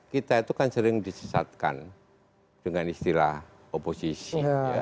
kita itu kan sering disesatkan dengan istilah oposisi